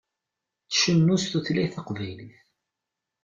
Tcennu s tutlayt taqbaylit.